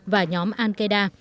và nhóm al qaeda